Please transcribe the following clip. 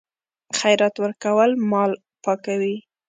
خیرات ورکول مال پاکوي.